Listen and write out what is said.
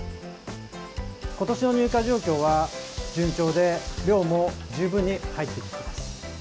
今年の入荷状況は順調で量も十分に入っております。